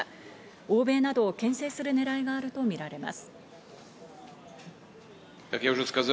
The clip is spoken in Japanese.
欧米などをけん制するねらいがあるとみられます。